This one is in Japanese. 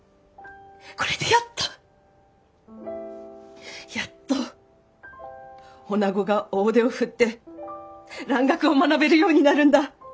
これでやっとやっと女子が大手を振って蘭学を学べるようになるんだ！